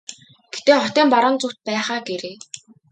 Гэхдээ хотын баруун зүгт байх аа гээрэй.